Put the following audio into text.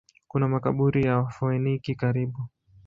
Kuna makaburi ya Wafoeniki karibu.